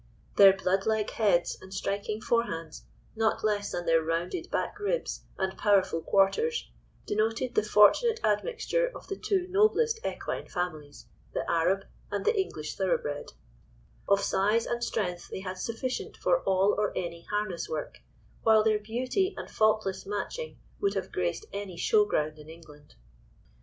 Their blood like heads, and striking forehands, not less than their rounded back ribs, and powerful quarters, denoted the fortunate admixture of the two noblest equine families—the Arab and the English thoroughbred: of size and strength they had sufficient for all or any harness work, while their beauty and faultless matching would have graced any show ground in England.